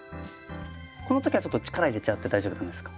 この時はちょっと力入れちゃって大丈夫なんですか？